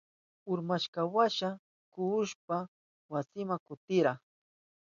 Urmashkanwasha kuhushpa wasinma kutirka.